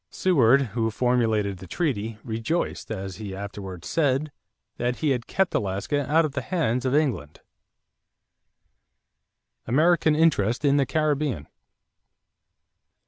Seward, who formulated the treaty, rejoiced, as he afterwards said, that he had kept Alaska out of the hands of England. =American Interest in the Caribbean.